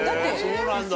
そうなんだ。